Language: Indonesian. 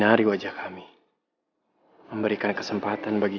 mau dia jawab voiced sama temen l praying with me